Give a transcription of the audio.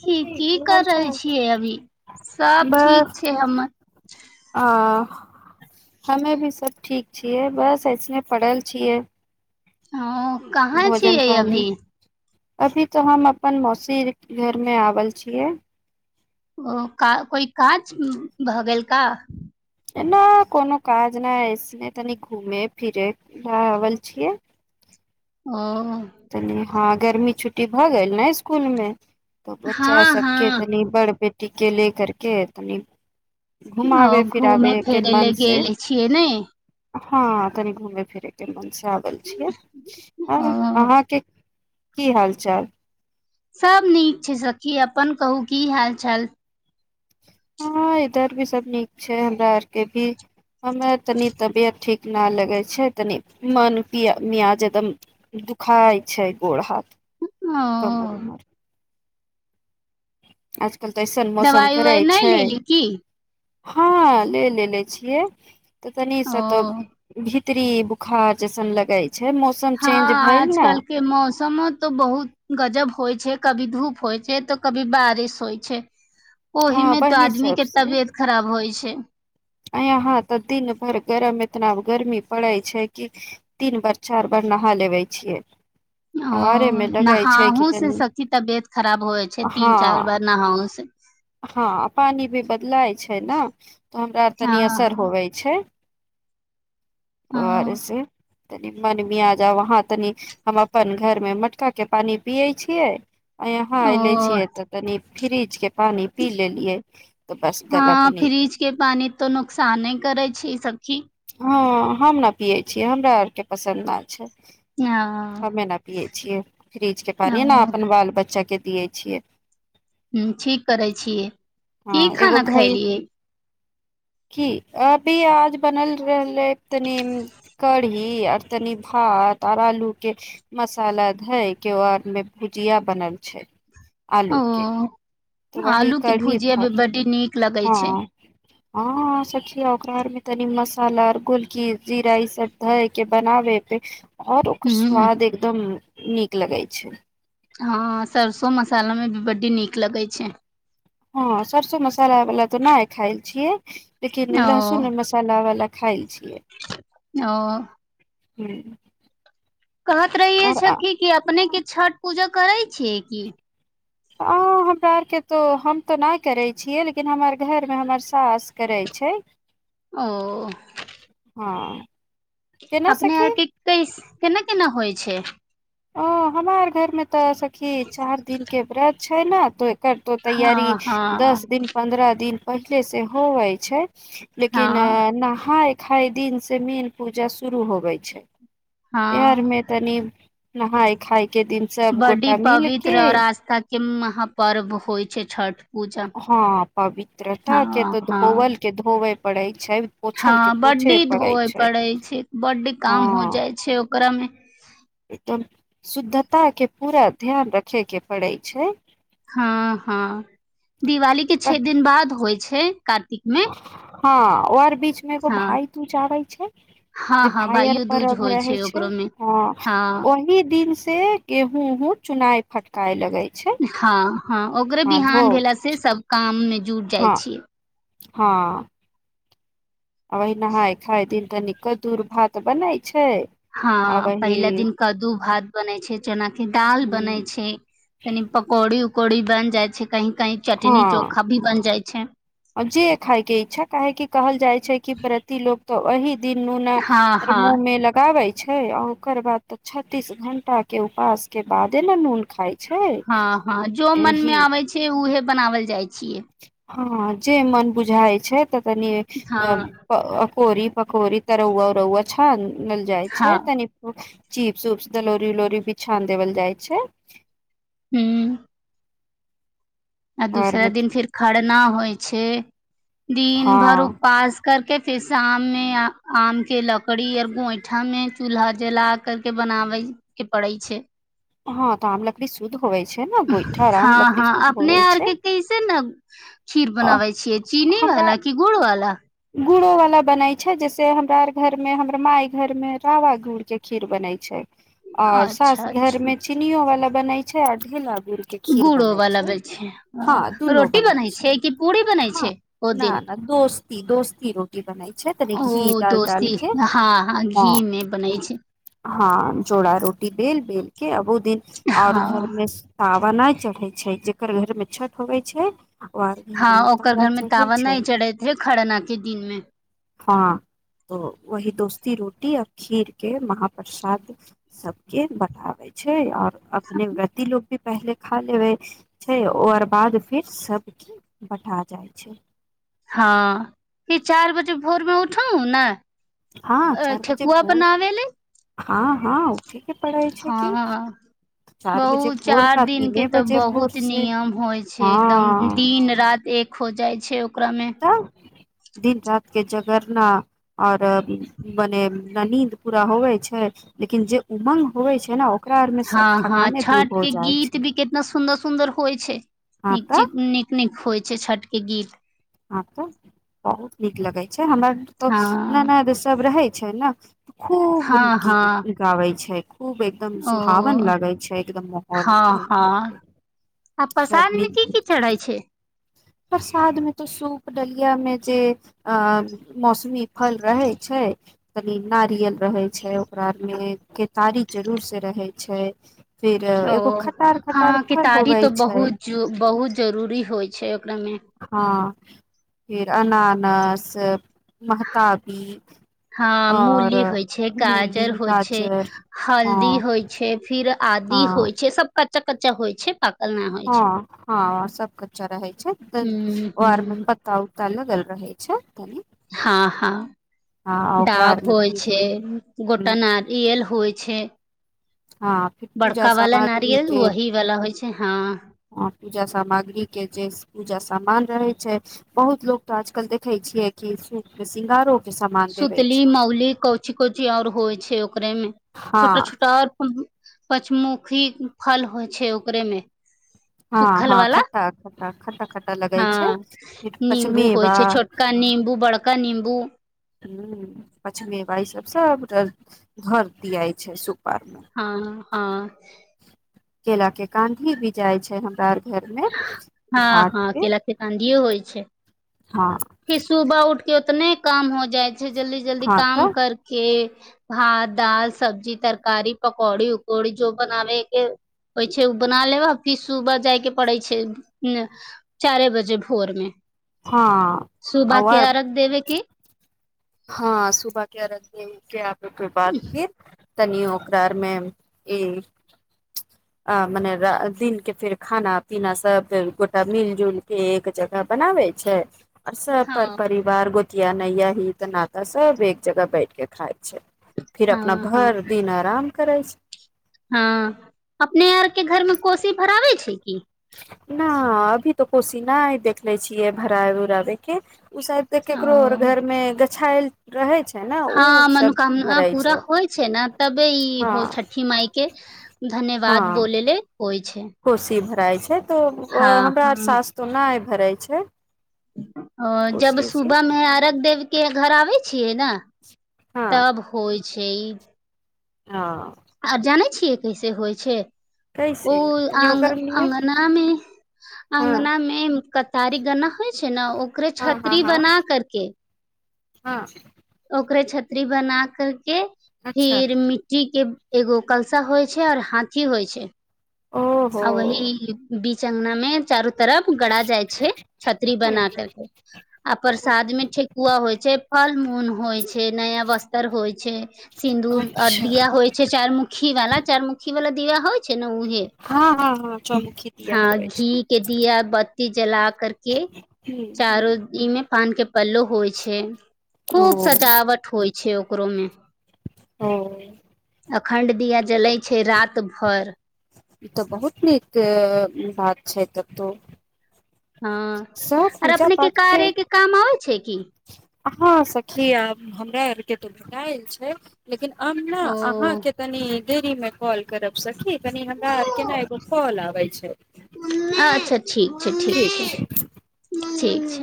क की कर रहल छियै अभी सब ठीक बस छै हमर अ हमे भी सब ठीक छियै बस ऐसने पढ़ल छियै हँ कहाँ भोजन छियै पानी अभी अभी तऽ हम अपन मौसीीक घरमे आबल छियै ओ का कोइ काज भऽ गेल का ना कोनो काज नहि अऐसने तनी घूमे फिरे ल आल छियै ह तनी हँ गर्मी छुट्टी भऽ गेल ने इसकुलमे तऽ बच्चा हँ सबके हँ तनी बढ़ बे टीके ले करके तनी ओ घूमय फिरय लए से गेल छियै ने हँ तनी घुमे फिरे के मन छै आ ब छिय ओ हँ की हाल चाल सब नीक छै सखी अपन कहू की हाल चाल हँ इधर भी सब नीक छै हमरा आरके भी हममे तनी तबियत ठीक न लगै छै तनी मन पिया मियाज एकदम दुखााय छै गोर हाथ ओ कमर उमर अ दवाइ उवाइ नहि लेली की हँ ले लए छियै तऽ तनी ओ से तऽ भी स्त्री बुखार जैसन लगय हँ आज कलके मौसमो त बहुत गजब होइ छै कभी धूप होइ छै त कभी बारिश होइ छै ओहि हँ मे तो वही आदमी के तबियत खराब होइ छै छै यााँ तऽ दिन भर गरम इतना गर्मी पड़ै छै कि तीन बार चार बार नहा लेबे छियै ओ आरे मे लगाय छै कि नहाहु से तनी सखी तबियत खराब होइ छै हँ तीन चार बार नहाहु से हँ पानि भी बदलाय छै ने तऽ हमरा आर तनि असर हँ होबै छै आओर हँ से तनि मन मिया जा वहाँ तनि हम अपन घरमे मटका के पानि पियै छियै अ हँ इलची ओ एत तऽनी फ्रिज के पानि पी लेलियै तऽ बस गला हँ तनी फ्रिज के पानी तो नुकसाने करे छै ई सब की हँ हम ने पियए छीयै हमरा आर के पसन्द नहि छै हँ हमे न पियए छियै फ्रिज के पानि न ओ अपन बाल बच्चा के दियै छियै ह ठीक करै छियै की हँ एगो खाना घै खयलियै की अभी आज बनल रहलै तनी कढ़ी आऔर तनी भात आऔर आलू के मसाला धय केर मे भुजिया बनल छै आलोकके आलूके भुजिया भी बड्ड नीक लगैत हँ छै हँ सखिया ओकरा आरमे तनी मसाला गोलकी जीरा ई सब धए के बनाबे पे आओर ओकर हूँ स्वाद एकदम नीक लगै छै हँ सरसों मसाला मे भी बड्डी नीक लगै छै हँ सरसो मसाला वला तऽ नहि खायल छियै त किने ओ लहसुन मसाला वाला खाइ छी ओ हूँ कहत रहि छखी क अपने आर के छठ पूजा करैत छी कि? हँ हमरा ओ सभ नहि करबाक आदत अछि। हम तऽ नहि करैत छी, मुदा हमर घरमे हमर सासु करैत छथि। ओ हँ केना अपने सखी आर क कहिस केना केना होइ छै ओ हमार घरमे त तऽ सखी चार दिन के व्रत छै ने तऽ करतो तैयार हँ हँ दस दिन पन्द्रह दिन पहिलेसँ होबै छै लेकिन हँ नहा एक छ दिन से मीन पूजा शुरू होबै छै हँ बिरमे तनी नाय खाय बडी मिल के पवित्र और आस्था के म हाँ पर्व होइ छै छठि हँ पवित्रता के तऽ हँ धोवल के धोबै पढ़ाइ हँ बड्डी धोवे पड़ै छै। बड्डी काम हो हँ जाइ छै। करमे एकदम शुद्धता के पूरा ध्यान रखे के पड़ै छै हँ हँ दिवाली के छे दिन बाद होइ छै कार्तिकमे हँ आर बीचमे एगो भाइदूज अबैत छै, जे हँ हँ भाइ-बहिनक भाइयो दूज पर्व होइ होइत छै। ओकरो मे हँ ओहि दिन से गेहूँ चुनि-फटकि कऽ लगैत छै। हँ हँ, ओकरे हँ धो बिहान भेला सँ सभ काजमे जुटि जाइ हँ छी। हँ अ नहाय खाय दिन तऽ न कदूर भात बनाय छै आ हँ वही पहिला दिन कद्दू भात बनै छै जेनााकि दाल बनेय छै तनि पकौड़ी कौड़ी बनि जाइ छै कहीं कहीं चटनी हँ चोखा भी बन जाइ छै जे खायके इच्छा काहेकि कहल जाइ छै कि प्रति लोक त अहि दिन नूना हँ मुह हँ मे लगाबै छै आ ओकर बाद त छत्तीस घंटा के उपवास के बादे ने नून खाय छै हँ हँ जो मन एहि मे आबै छै उहे बनावल जाइ छै छियै हँ जे मन बुझााय छै हँ अ कोरी पकौरी तरौआ उरौआ छान मिल जाइ हँ छै तनि चीप्स उप्स दलौरी उलौरी भी छान देवल जाइ छै हू आ और दूसरा दिन फिर खरना होइ छै दिन भर हँ उपवास कर के फेर शाम मे आम के लकड़ी आऔर गोईठा में चूल्हा जला कर के बनाबे के पड़े छै हँ त आमलकड़ी सुध हँ हँ अपने होवे आर छै के कैसे ने खीर बनाबै छियै चीनी वाला की गुड़ वाला गुड़ोवला ब बन छै जैसे हमरार घर में हमर माय घर में रावा गुड़ के खीर बन छै और साास अच्छा घर अच्छा मे चीनियो वाला बनाइ छै आ खेलक गुड़ो बलाबै छै रोटी बनै छै कि पूरी बनै हँ छै ओ न दिन न दोस्ती दोस्ती रोटी बनाइ छै तनि घी ओ दाल डाल दोस्ती के हँ हँ घी मे बनै छै हँ चोड़ा रोटी बेल बेल के अबो दिन और घर हँ में तावाना चढ़े छै जे ओकर घर मे छठ होबे छै और हँ घर मे ओकर घर मे चढ़े तावा छै नहि चढ़ैत रहै खरना े दिनमे हँ तो वही दोस्ती रोटी आ खीर के महाप्रसाद सबके बठबै छै आओर अपने व्रती लोग भी पहिले खा लेबे छै ओकर बाद फिर सबके बटा जाइ छै हँ फे चार बजे भोरमे उठु हं ने हँ चार पीछे ठेकुआ बोत बनाबे ले हँ हँ उठे के पड़ै छै कि हँ चार बजे बहु भोर चार का दिन के तीने तऽ बजे भोर बहुत से नियम होइ छै एकदम हँ दिन राति एक हो जाइ छै ओकरामे तऽ दिन रात के जगरना आऔर मने न नीद पूरा होवै छै लेकिन जे उमंग होवै छै ने ओ हँ हँ छठ के गीत छै भी केितना सुन्दर सुदर होइ छै हँ नीक तऽ च नीक नीक होइ छै छै छठ के गीत अँछऽ बहुत नीक लगे छै हमरा तो न हँ न सब रहे छै ने खूब हँ गीत हँ गाबै छै खूब एकदम सुहावन ओ लागे छै एकदम हँ माहौल हँ आ सब प्रसाद मे मिल की जुल की छै चढ़ै प्रसाद में त सूप पडलियामे जे अ मौसमी फल रहे छै कनी नारियल रहै छै ओकरारमे केतारी जरूर से रहै छै फिर ओ एगो खतार खतार हँ फल केतारी होबे तऽ छै बहुत बहुत जरूरी होइ छै ओकरामे हँ फर अनानस महताबी हँ और मूली होइ छै मूली गाजर होइ छै गाजर हल्दी हँ होइ छै फिर आदि होइ हँ छै सब क कच्चा कच्चा होइ छै पाकल नहि होइ छै हँ हँ सब कच्चा रहे छै हूँ आर में हूँ पता उता लगल रहै छै धन्यवाद हँ हँ ओकरा डाब आर मे होइ फिर छै ह गोटा नल होइ छै हँ फिर पूजा बड़का वाला सामग्री नारियल के वही वाला होइ छै हँ ह पूजा सामग्री के जे पूजा सामान रहे छै बहुत लोग तऽ आजकल देखे छिये कि सूप के श्रृंगारो के सामान देवे सुतली छै मौली कची कची आऔर होइ छै ओकरे मे हँ छोटा छोटा आ पचमुखी फल होइ छै ओकरे मे हँ सुखल हँ वाला खट्टा खट्टा खट्टा खट्टा लगै हँ छै फिर निम्बू होइ छै पचमेवा छोटका नम्बू बड़का नम्बू ह पचमेबा ई सब सबटा घर दियाय छै सु हँ हँ केला के कानधी भी जाय छै हमरा आर घर मे हँ घाट हँ पे केला के काँदीयो होइ छै हँ फिर सुबह उठके उतने काम हो जाय छै जल्दी जल्दी हँ काम तऽ करके भात दाल सब्जी तरकारी पकौड़ी उकौड़ी जो बनाबे के होइ छै उ बना लेबअ फिर सुबह जायके पड़ै छै चारे बजे भोर मे हँ सुबह के और अरघ देबे के हँ सुबह के अरघ देबै केऽ आबय के बाद फिर तनी ओकरा अर मे ई आ मने रा दिन के फेर खाना पीना सब गोटा मिल जुलके एक जगह बनाबै छै आ सब पर हँ परिवार गो किया नइ य हित नाता सब एक जगह बैठ के खाय छै फिर अपना हँ हँ भर दिन अराम करै छै हँ अपने आर के घर मे कोसी भराबे छै की न अभी तऽ कोशी नइ देखले छियै भराबे उराबे के ई सब तऽ केकरो अर ओ घर मे गछाइल रहै छै ने ओ हँ सब मनोकामना भराइ पूरा छै होइ छै न तबे ईहो हँ छठी माई के धन्यवाद हँ बोले ले होइ छै कोशी भ राइ छै तब हँ हमरा अर सास तो नइ भरय छै [unintelligible] हँ जब कोशी उशी सुबह मे अरघ देव के घर आबै छियै न हँ तब होइ छै ई हँ आर जानै छियै कैसे होइ छै कैसे उऽ तनि अग ओकर लिए अगना मे हँ अगना मे कतारी गन्ना होइ छै न ओकरे हँ हँ छतरी हँ बना करके हँ ओकरे छतरी बना कर के अच्छा फिर मिट्टी के एगो कलशा होइ छै आऔर हाथी होइ छै ओहो आ ओही बीच अंगना मे चारू तरफ गड़ा जाइ छै छतरी बना कर के आ प्रसाद मे ठेकुआ होइ छै फल मोन होइ छै नया वस्तर होइ छै सिन्दूर आर अच्छा दिया होइ छै चाइरमुखी वाला चाइरमुखी वाला दिया होइ छैे न उहे हँ हँ हँ चौमुखी दिया होबै छै ती जला करके हुं चारो इ मे पान के पल्लो होइ छै ओ खूब सजावट होइ छै ओकरो मे ओ अखण्ड दिया जलै छै रात भर ई तऽ बहुत नीक बात छै तब तो हँ सब आरे पूजा अपने के पाठ कार्य के काम आबै छै की हँ सखी आब हमरा आर के त भेटाइल छै लेकिन हम न ओ अहाँके तनी देरी मे कॉल करब सखी कनि हमरा आर के न एगो कॉल आबै छै अच्छा छै ठीक ठीक छै ठीक छै